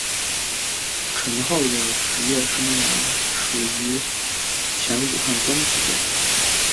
陈浩职业生涯始于前武汉光谷队。